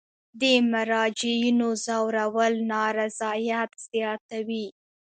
د مراجعینو ځورول نارضایت زیاتوي.